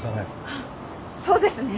あっそうですね。